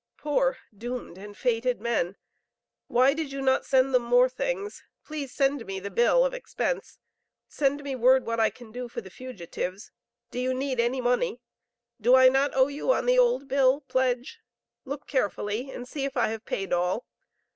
Poor doomed and fated men! Why did you not send them more things? Please send me the bill of expense.... Send me word what I can do for the fugitives. Do you need any money? Do I not owe you on the old bill (pledge)? Look carefully and see if I have paid all.